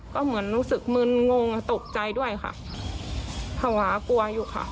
ก็เหมือนรู้สึกมืดงงตกใจด้วยค่ะ